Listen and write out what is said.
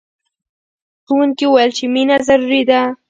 ښوونکي وویل چې مینه ضروري ده.